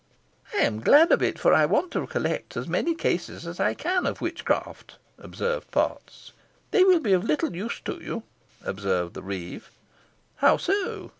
"I am glad of it, for I want to collect as many cases as I can of witchcraft," observed Potts. "They will be of little use to you," observed the reeve. "How so?"